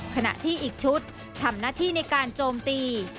ขณะที่อีกชุดทำหน้าที่ในการโจมตี